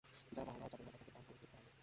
যার বর্ণনার যাদুময়তা থেকে কান পরিতৃপ্ত হয় না।